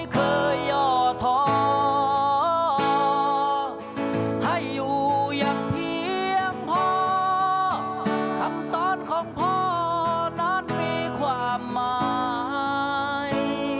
คนของพ่อนั้นมีความหมาย